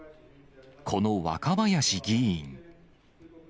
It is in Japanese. この若林議員。